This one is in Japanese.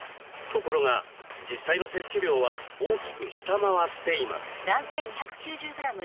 ところが実際の摂取量は大きく下回っています。